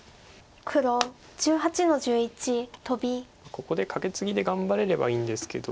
ここでカケツギで頑張れればいいんですけど。